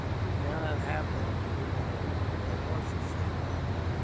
" You cannot have them until you bring me my horses," sai( Gardner.